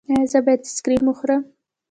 ایا زه باید آیسکریم وخورم؟